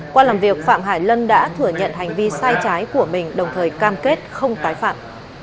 qua làm việc phạm hải lân đã thừa nhận hành vi sai trái của mình đồng thời cam kết không tái phạm